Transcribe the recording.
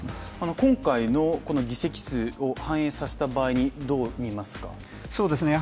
今回の議席数を反映させた場合にどう見ますか？